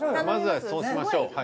まずはそうしましょう。